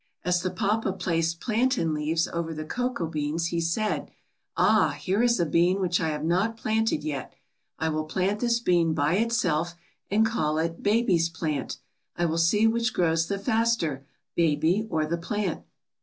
^^As the papa placed plantain leaves over the cocoa beans, he said, ^Ah, here is a bean which I have not planted yet. I will plant this bean by itself and call it baby's plant. I will see which grows the faster, baby or the plant.